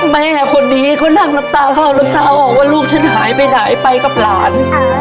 แม่คนนี้เขานั่งน้ำตาเข้าน้ำตาออกว่าลูกฉันหายไปไหนไปกับหลาน